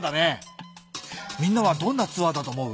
みんなはどんなツアーだと思う？